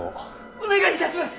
お願い致します！